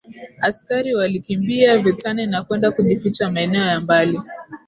askari walikimbia vitani na kwenda kujificha maeneo ya mbali